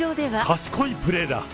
賢いプレーだ。